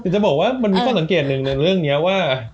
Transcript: จะบอกมีคนสังเกตหนึ่งเรื่องนี้ว่า